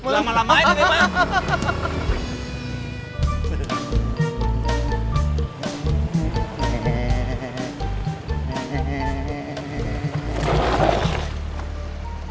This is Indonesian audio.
lama lamain ini bang